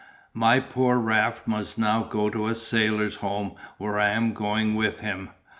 My poor Raft must now go to the Sailors' Home where I am going with him.